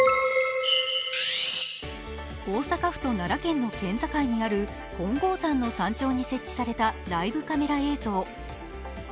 大阪府と奈良県の県境にある金剛山の山頂に設置されたライブカメラ映像。